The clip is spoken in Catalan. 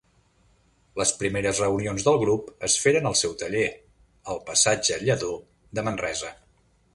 Les primeres reunions del grup es feren al seu taller, al passatge Lladó de Manresa.